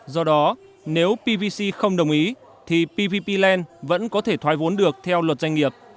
do đó nếu pvc không đồng ý thì pvp land vẫn có thể thoái vốn được theo luật doanh nghiệp